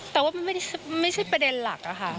แต่ว่ามันไม่ใช่ประเด็นหลักค่ะ